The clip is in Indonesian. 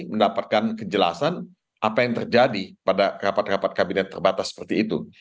mendapatkan kejelasan apa yang terjadi pada rapat rapat kabinet terbatas seperti itu